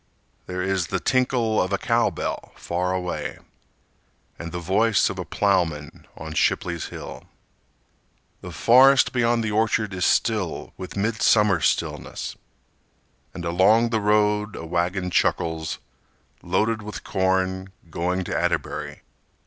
There is the tinkle of a cowbell far away, And the voice of a plowman on Shipley's hill. The forest beyond the orchard is still With midsummer stillness; And along the road a wagon chuckles, Loaded with corn, going to Atterbury.